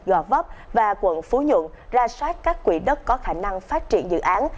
gò vấp và quận phú nhuận ra soát các quỹ đất có khả năng phát triển dự án